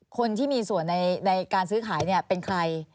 คนที่มีส่วนในการซื้อขายเป็นใคร